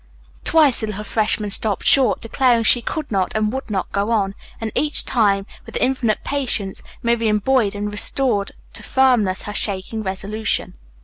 Twice the little freshman stopped short, declaring she could not and would not go on, and each time, with infinite patience, Miriam buoyed and restored to firmness her shaking resolution.